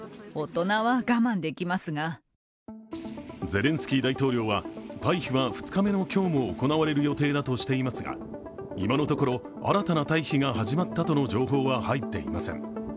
ゼレンスキー大統領は、退避は２日目の今日も行われる予定だとしていますが、今のところ、新たな退避が始まったとの情報は入っていません。